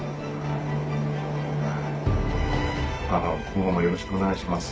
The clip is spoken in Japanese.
今後もよろしくお願いします。